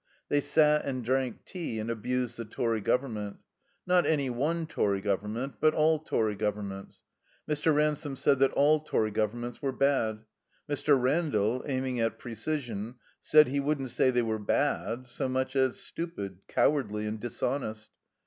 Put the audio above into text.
They sat and drank tea and abused the Tory Government. Not any one Tory Government, but all Tory Governments. Mr. Ran some said that all Tory Governments were bad. Mr. Randall, aiming at precision, said he wouldn't say they were bad so much as stupid, cowardly, and dishonest.